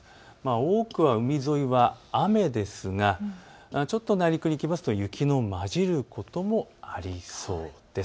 多くは海沿いは雨ですがちょっと内陸にいきますと雪の交じることもありそうです。